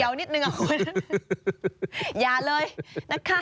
มันจะเหม็นเขียวนิดนึงอะคุณ